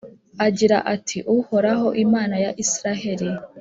agira ati «Uhoraho, Imana ya Israheli